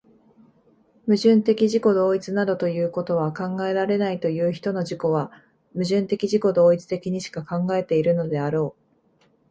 矛盾的自己同一などいうことは考えられないという人の自己は、矛盾的自己同一的にしか考えているのであろう。